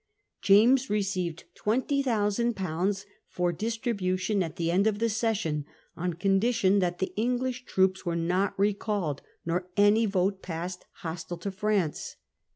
James received 20,000/. for distribution at the end of the session on condition that the English troops were not recalled nor any vote passed hostile to France.